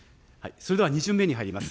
それでは２巡目に入ります。